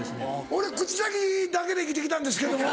俺口先だけで生きて来たんですけども。